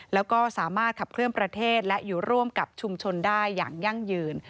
แล้วก็สามารถขับเคลื่อนประเทศและอยู่ร่วมกับชุมชนได้อย่างยั่งยืน